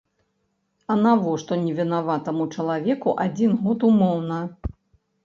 А навошта невінаватаму чалавеку адзін год умоўна?